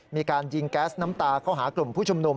มีการยิงแก๊สน้ำตาเข้าหากลุ่มผู้ชุมนุม